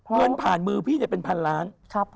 เริ่มผ่านมือพี่เนี่ยเป็นพันล้าน